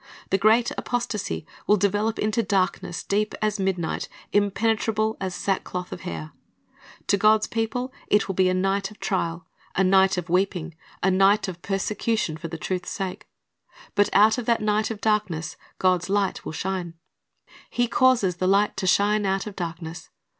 The great apostasy will develop into darkness deep as midnight, impenetrable as sackcloth of hair. To God's people it will be a night of * 2 Thess. 2 : 9, 10 ^'To Meet the Bridegroom 415 trial, a night of weeping, a night of persecution for the truth's sake. V>\\t out of that night of darkness God's light will shine. He causes "the light to shine out of darkness."'